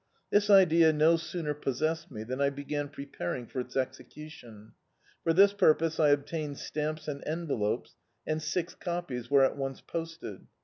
This idea no sooner possessed me than I began preparing for its execution. For this puipose I obtained stamps and envelopes, and six copies were at once posted.